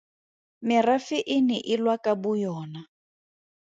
Merafe e ne e lwa ka boyona.